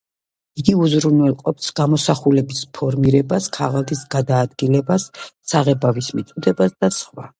იგი უზრუნველყოფს გამოსახულების ფორმირებას, ქაღალდის გადაადგილებას, საღებავის მიწოდებას და სხვა.